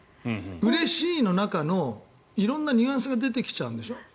うれしいの中の色んなニュアンスが出てきちゃうんでしょ？